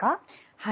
はい。